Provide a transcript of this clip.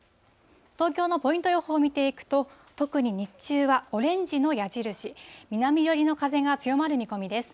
東京のポイント予報を見ていくと、特に日中はオレンジの矢印、南寄りの風が強まる見込みです。